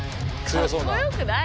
かっこよくない。